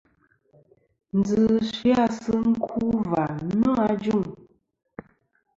Ndzɨ sɨ-a sɨ ku va nô ajuŋ.